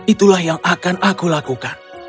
itulah yang akan aku lakukan